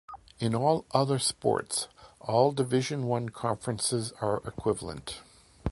In all other sports, all Division One conferences are equivalent.